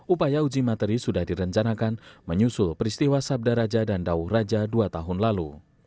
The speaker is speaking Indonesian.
upaya uji materi sudah direncanakan menyusul peristiwa sabda raja dan dauh raja dua tahun lalu